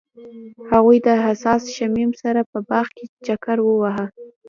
هغوی د حساس شمیم سره په باغ کې چکر وواهه.